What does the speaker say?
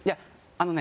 あのね